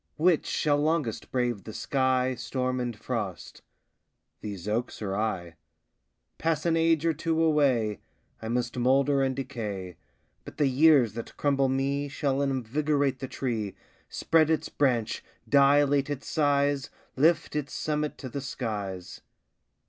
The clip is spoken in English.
Which shall longest brave the sky, Storm and frost these oaks or I? Pass an age or two away, I must moulder and decay, But the years that crumble me Shall invigorate the tree, Spread its branch, dilate its size, Lift its summit to the skies.